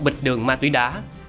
và một bịch đường ma túy đá